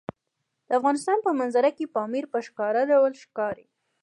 د افغانستان په منظره کې پامیر په ښکاره ډول ښکاري.